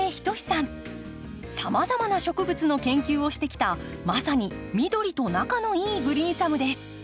さまざまな植物の研究をしてきたまさに緑と仲のいいグリーンサムです。